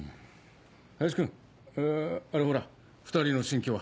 林君あれほら２人の新居は？